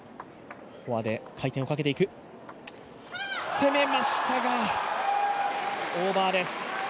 攻めましたが、オーバーです